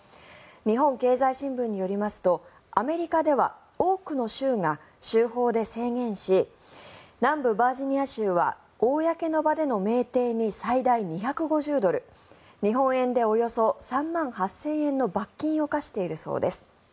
日本経済新聞によりますとアメリカでは多くの州が州法で制限し南部バージニア州は公の場での酩酊に最大２５０ドル日本円でおよそ３万８０００円の罰金を科しているそうです。